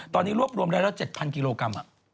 ตอนนี้รวบรวมได้แล้ว๗๐๐กิโลกรัม